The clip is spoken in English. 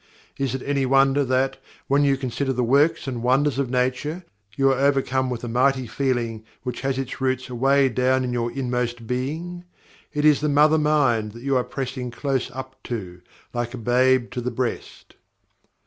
Is it any wonder that, when you consider the works and wonders of Nature, you are overcome with a mighty feeling which has its roots away down in your inmost being? It is the MOTHER MIND that you are pressing close up to, like a babe to the breast.